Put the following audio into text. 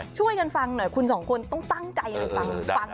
ช่วยกันฟังหน่อยคุณสองคนต้องตั้งใจเลยฟัง